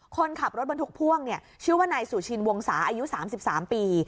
คนขับรถบรรทุกพ่วงชื่อว่านายสุชินวงศาอายุ๓๓ปี